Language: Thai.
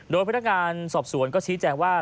โดยพนักงานสอบสวนก็ชี้แจงว่า